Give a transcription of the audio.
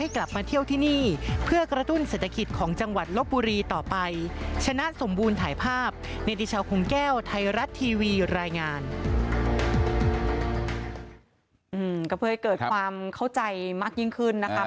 ก็เพื่อให้เกิดความเข้าใจมากยิ่งขึ้นนะครับ